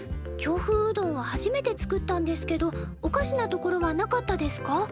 京風うどんは初めて作ったんですけどおかしなところはなかったですか？